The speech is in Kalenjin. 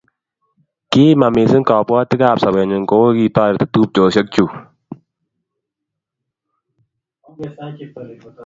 Kiima mising Kabwotik ab sobenyu kouye kitatoriti tupchoshek chuk